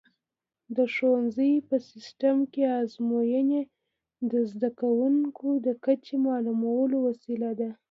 د ښوونځي په سیسټم کې ازموینې د زده کوونکو د کچې معلومولو وسیله ده.